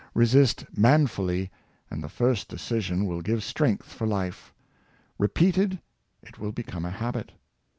Resist manfully, and the first decision will give strength for life; repeated, it will become a habit.